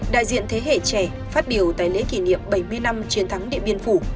đại diện thế hệ trẻ phát biểu tại lễ kỷ niệm bảy mươi năm chiến thắng điện biên phủ